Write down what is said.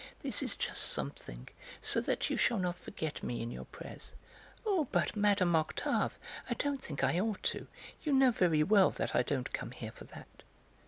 "This is just something so that you shall not forget me in your prayers." "Oh, but, Mme. Octave, I don't think I ought to; you know very well that I don't come here for that!"